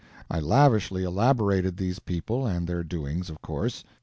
I lavishly elaborated these people and their doings, of course.